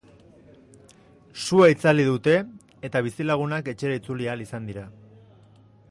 Sua itzali dute eta bizilagunak etxera itzuli ahal izan dira.